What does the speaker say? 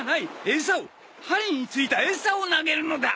エサを針についたエサを投げるのだ！